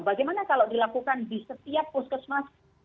bagaimana kalau dilakukan di setiap puskesmas